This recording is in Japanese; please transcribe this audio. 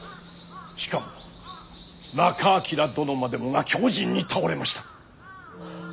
しかも仲章殿までもが凶刃に倒れました。